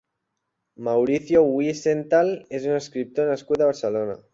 Mauricio Wiesenthal és un escriptor nascut a Barcelona.